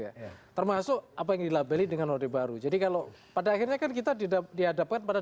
ya termasuk apa yang dilabel dengan order baru jadi kalau pada akhirnya kan kita diadapkan pada